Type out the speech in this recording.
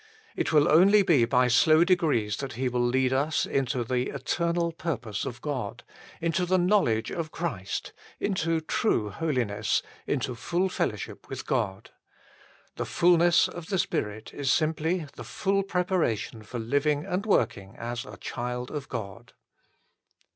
It will only be by slow degrees that He will lead us into the eternal purpose of God, into the knowledge of Christ, into true holiness, into full fellowship with God. The fulness of the Spirit is simply the full preparation for living and work ing as a child of God.